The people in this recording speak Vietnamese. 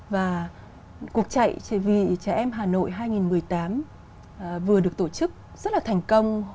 và cuộc chạy vì trẻ em hà nội hai nghìn một mươi tám vừa được tổ chức rất là thành công